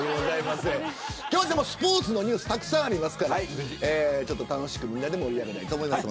今日はスポーツのニュースたくさんありますから楽しくみんなで盛り上げたいと思います。